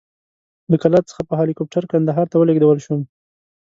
له کلات څخه په هلیکوپټر کندهار ته ولېږدول شوم.